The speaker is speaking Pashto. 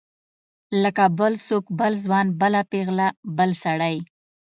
لکه بل څوک بل ځوان بله پیغله بل سړی.